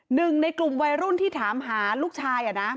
หนึ่งในกลุ่มวัยรุ่นที่ถามหาลูกชาย